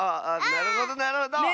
なるほどなるほど。ね。